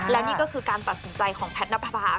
และนี่ก็คือการตัดสินใจของแพทย์นับภา